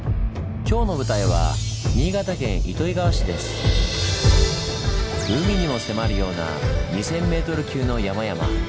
今日の舞台は海にも迫るような２，０００ｍ級の山々。